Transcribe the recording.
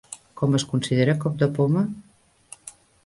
Com es considera Cop de poma?